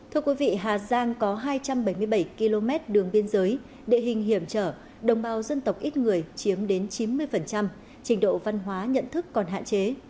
thưa quý vị hà giang có hai trăm bảy mươi bảy km đường biên giới địa hình hiểm trở đồng bào dân tộc ít người chiếm đến chín mươi trình độ văn hóa nhận thức còn hạn chế